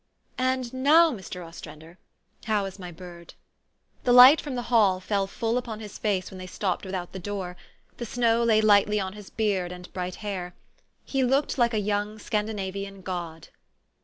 And now, Mr. Ostrander, how is my bird ?'' The light from the hall fell full upon his face THE STORY OF AVIS. 89 when they stopped without the door. The snow lay lightly on his beard and bright hair. He looked like a young Scandinavian god.